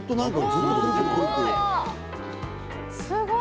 すごい！